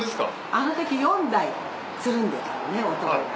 あのとき４台つるんでたのね。